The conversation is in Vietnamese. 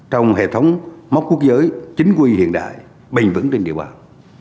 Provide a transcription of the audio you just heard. trong hệ thống mốc quốc giới chính quy hiện đại bình vững trên địa bàn